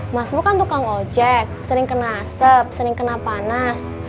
mas bu kan tukang ojek sering kena asep sering kena panas